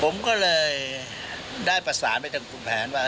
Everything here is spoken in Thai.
ผมก็เลยได้ประสานไปทางคุณแผนว่า